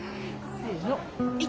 はい！